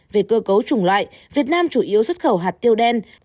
về cơ cấu chủng loại việt nam chủ yếu xuất khẩu hạt tiêu đen